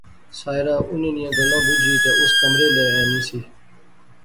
ساحرہ انیں نیاں گلاں بجی تے اس کمرے لے اینی سی